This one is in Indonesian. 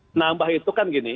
menambah itu kan gini